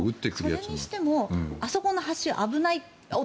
それにしてもあそこの橋は危ない。